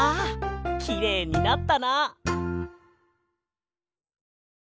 きれいになったな。